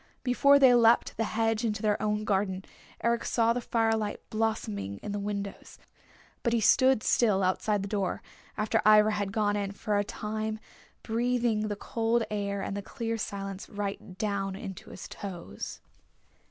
Before they leapt the hedge into their own garden Eric saw the firelight blossoming in the windows. But he stood still outside the door, after Ivra had gone in, for a time, breathing the cold air and the clear silence right down into his toes.